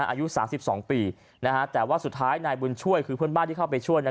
อายุ๓๒ปีแต่ว่าสุดท้ายนายบุญช่วยคือเพื่อนบ้านที่เข้าไปช่วย